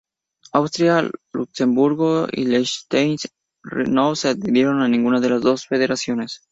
Austria, Luxemburgo y Liechtenstein no se adhirieron a ninguna de las dos federaciones.